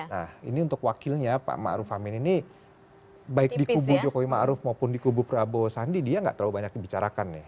nah ini untuk wakilnya pak maruf amin ini baik di kubu jokowi maruf maupun di kubu prabowo sandi dia tidak terlalu banyak dibicarakan ya